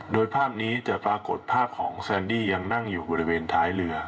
โดยภาพนี้จะปรากฏภาพของแซนดี้ยังนั่งอยู่บริเวณท้ายเรือ